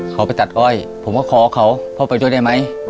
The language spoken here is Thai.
เขาไปตัดอ้อยผมก็ขอเขาพ่อไปด้วยได้ไหม